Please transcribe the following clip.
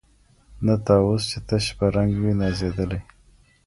نه طاووس چي تش په رنګ وي نازېدلی